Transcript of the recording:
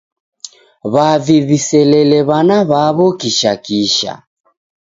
W'avi w'iselele w'ana w'aw'o kishakisha.